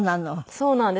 そうなんです。